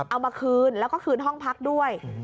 เอามาคืนแล้วก็คืนห้องพักด้วย